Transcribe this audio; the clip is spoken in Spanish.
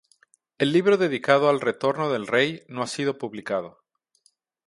El libro dedicado al Retorno del Rey no ha sido publicado.